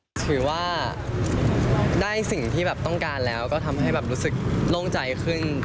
ก็คือว่าได้สิ่งที่ต้องการแล้วก็ทำให้รู้สึกล่มใจขึ้น